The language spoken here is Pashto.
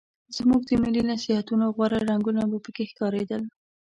زموږ د ملي نصیحتونو غوره رنګونه به پکې ښکارېدل.